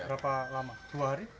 berapa lama dua hari